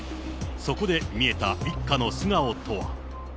そこで見えた一家の素顔とは。